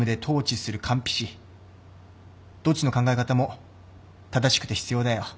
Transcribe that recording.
どっちの考え方も正しくて必要だよ。